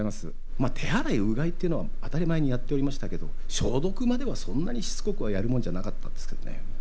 まあ手洗いうがいっていうのは当たり前にやっておりましたけど消毒まではそんなにしつこくはやるもんじゃなかったんですけどね。